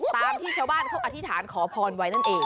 ตามที่ชาวบ้านเขาอธิษฐานขอพรไว้นั่นเอง